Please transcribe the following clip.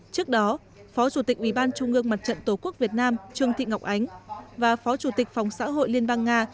trước đó phó chủ tịch ủy ban trung ương mặt trận tổ quốc việt nam trương thị ngọc ánh và phó chủ tịch phòng xã hội liên bang nga